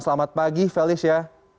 selamat pagi felicia